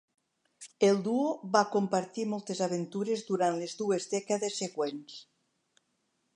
El duo va compartir moltes aventures durant les dues dècades següents.